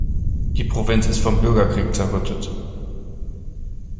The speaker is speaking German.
Die Provinz ist vom Bürgerkrieg zerrüttet.